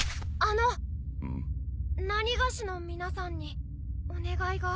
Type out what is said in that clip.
某の皆さんにお願いが。